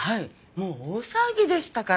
もう大騒ぎでしたから。